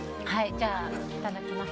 じゃあ、いただきます。